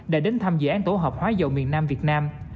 đã đến thăm dự án tổ hợp hóa dầu miền nam việt nam